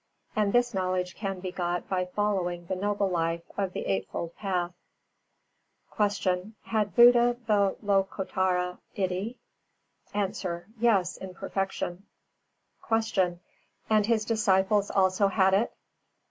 And this knowledge can be got by following the noble life of the Eightfold Path. 370. Q. Had Buddha the Lokottara Iddhī? A. Yes, in perfection. 371. Q. _And his disciples also had it?